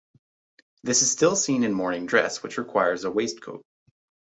This is still seen in morning dress, which requires a waistcoat.